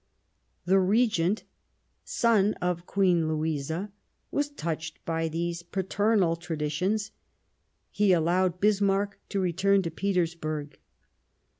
The Regent, son of Queen Louisa, was touched by these paternal traditions ; he allowed Bismarck to return to Petersburg.